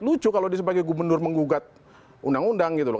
lucu kalau dia sebagai gubernur menggugat undang undang gitu loh